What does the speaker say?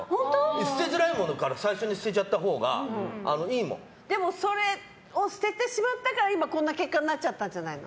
捨てづらいものから最初に捨てちゃったほうがでもそれを捨ててしまったから今、こんな結果になったんじゃないの。